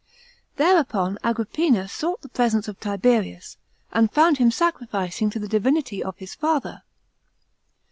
Thereupon Agrippina sought the presence of Tiberius, and fonnd him sacrificing to the divinity of his father.